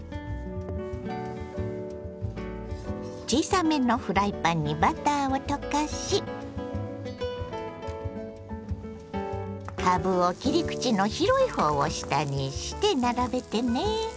小さめのフライパンにバターを溶かしかぶを切り口の広いほうを下にして並べてね。